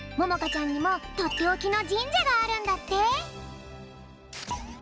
ちゃんにもとっておきのじんじゃがあるんだって。